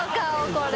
これ。